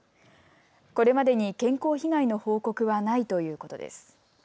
これまでに健康被害の報告はないということです。